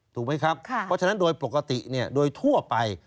ถูกไหมครับเพราะฉะนั้นโดยปกติโดยทั่วไป